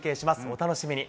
お楽しみに。